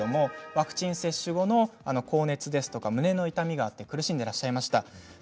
ワクチン接種後に高熱や胸の痛みがあって苦しんでいらっしゃいました。